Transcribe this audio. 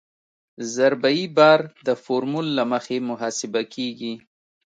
ضربه یي بار د فورمول له مخې محاسبه کیږي